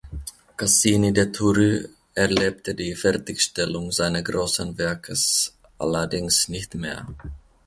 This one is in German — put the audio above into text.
Cassini de Thury erlebte die Fertigstellung seine großen Werkes allerdings nicht mehr.